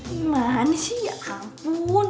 emang ini sih ya ampun